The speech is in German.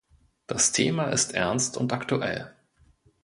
Das Thema ist ernst und aktuell.